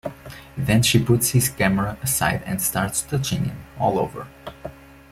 Then she puts his camera aside and starts touching him all over.